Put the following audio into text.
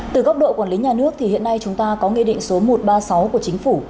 từ góc độ quản lý nhà nước thì hiện nay chúng ta có nghị định số một trăm ba mươi sáu của chính phủ